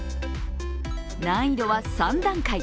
難易度は３段階。